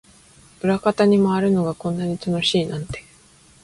裏方に回るのがこんなに楽しいなんて